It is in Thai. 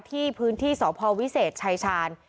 ที่พื้นที่สพวิเศษชายชาญ